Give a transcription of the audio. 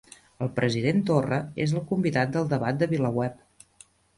El president Torra és el convidat del debat de VilaWeb